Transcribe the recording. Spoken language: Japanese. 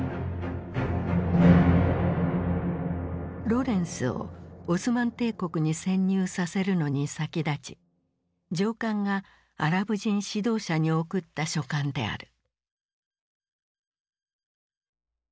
ロレンスをオスマン帝国に潜入させるのに先立ち上官がアラブ人指導者に送った書簡である。